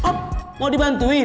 op mau dibantuin